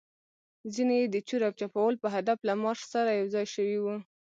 ځینې يې د چور او چپاول په هدف له مارش سره یوځای شوي وو.